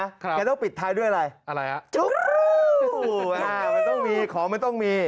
ค่ะค่ะอะไรแกต้องปิดท้ายด้วยอะไรจุ๊บคู้ไม่ต้องมีของไม่ต้องมี